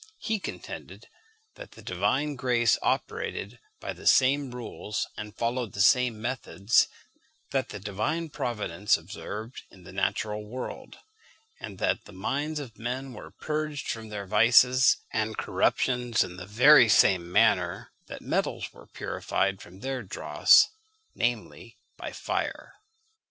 He contended that the divine grace operated by the same rules, and followed the same methods, that the divine providence observed in the natural world; and that the minds of men were purged from their vices and corruptions in the very same manner that metals were purified from their dross, namely, by fire.